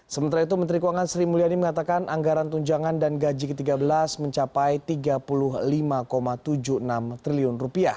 sementara itu menteri keuangan sri mulyani mengatakan anggaran tunjangan dan gaji ke tiga belas mencapai rp tiga puluh lima tujuh puluh enam triliun